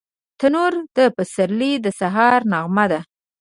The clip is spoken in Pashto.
تنور د پسرلي د سهار نغمه ده